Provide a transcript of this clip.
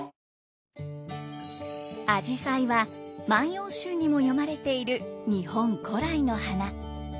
あじさいは「万葉集」にも詠まれている日本古来の花。